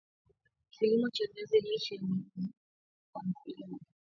Kilimo cha viazi lishe ni muhimu kwa mkulima